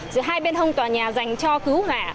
giữa hai bên hông tòa nhà dành cho cứu hỏa